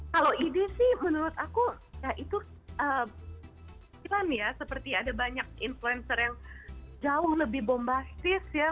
kalau ide sih menurut aku ya itu seperti ada banyak influencer yang jauh lebih bombastis ya